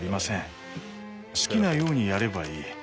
好きなようにやればいい。